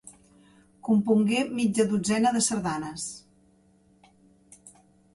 Compongué mitja dotzena de sardanes.